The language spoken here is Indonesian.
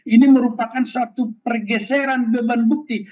ini merupakan suatu pergeseran beban bukti